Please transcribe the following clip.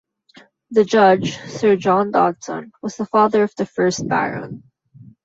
The judge Sir John Dodson was the father of the first Baron.